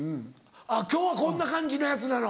あっ今日はこんな感じのやつなの。